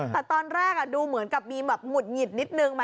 แต่ตอนแรกดูเหมือนกับมีหมุดหงิดนิดหนึ่งไหม